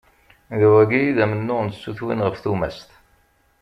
D wagi i d amennuɣ n tsutwin ɣef tumast.